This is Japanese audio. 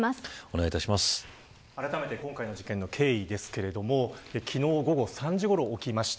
あらためて今回の事件の経緯ですが昨日午後３時ごろ起きました。